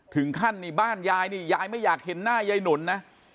ถึงขั้นนี่บ้านยายนี่ยายไม่อยากเห็นหน้ายายหนุนนะ